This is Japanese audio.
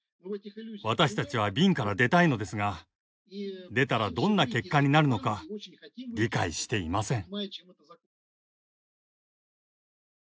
私たちは瓶から出たいのですが出たらどんな結果になるのか理解していません。